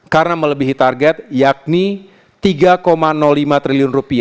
karena melebihi target yakni rp tiga lima triliun